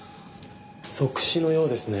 即死のようですね。